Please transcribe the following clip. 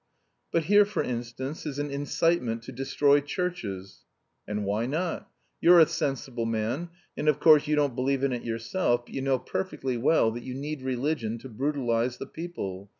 "But here, for instance, is an incitement to destroy churches." "And why not? You're a sensible man, and of course you don't believe in it yourself, but you know perfectly well that you need religion to brutalise the people.